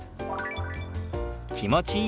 「気持ちいい」。